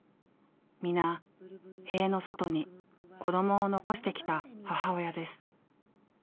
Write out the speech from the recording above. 皆塀の外に子どもを残してきた母親です。